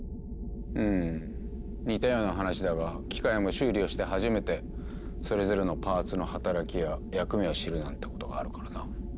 ふむ似たような話だが機械も修理をして初めてそれぞれのパーツの働きや役目を知るなんてことがあるからな。